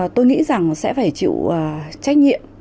tôi nghĩ rằng sẽ phải chịu trách nhiệm